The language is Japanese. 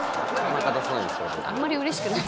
あんまり嬉しくない。